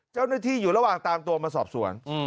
เจ้าหน้าที่อยู่ระหว่างตามตัวมาสอบสวน